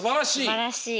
すばらしい。